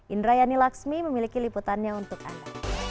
indra yani laksmi memiliki liputannya untuk anda